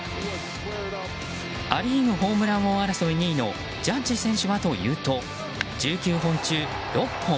ア・リーグホームラン王争い２位のジャッジ選手はというと１９本中６本。